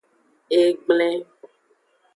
Egblen.